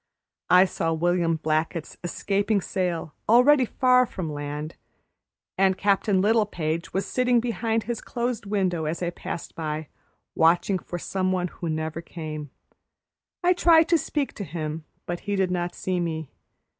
I saw William Blackett's escaping sail already far from land, and Captain Littlepage was sitting behind his closed window as I passed by, watching for some one who never came. I tried to speak to him, but he did not see me.